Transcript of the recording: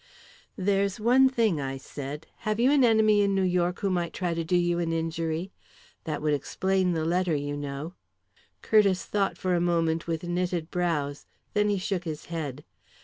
"There's one thing," I said. "Have you an enemy in New York who might try to do you an injury? That would explain the letter, you know." Curtiss thought for a moment with knitted brows. Then he shook his head.